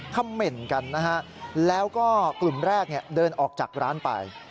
ค่ำเหม่นกันแล้วก็กลุ่มแรกเดินออกจากร้านไป